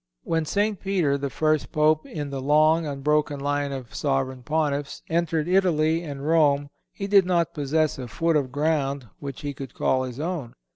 When St. Peter, the first Pope in the long, unbroken line of Sovereign Pontiffs, entered Italy and Rome he did not possess a foot of ground which he could call his own.